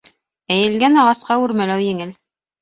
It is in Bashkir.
Эйелгән ағасҡа үрмәләү еңел.